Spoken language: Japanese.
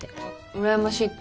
うらやましいって？